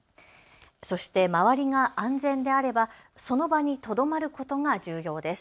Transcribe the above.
そして周りが安全であればその場にとどまることが重要です。